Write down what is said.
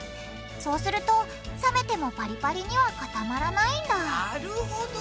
そうすると冷めてもパリパリには固まらないんだなるほど！